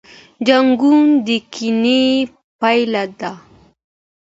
جنګونه د کینې پایله ده.